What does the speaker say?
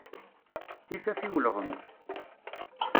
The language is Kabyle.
Tifaf i ulɣem.